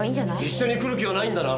一緒に来る気はないんだな？